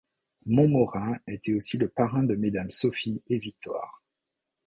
Montmorin était aussi le parrain de Mesdames Sophie et Victoire.